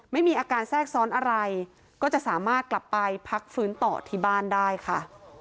ไม่มีอาการแทรกซ้อนอะไรก็จะสามารถกลับไปพักฟื้นต่อที่บ้านได้ค่ะ